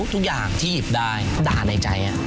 ทุกอย่างที่หยิบได้ด่าในใจ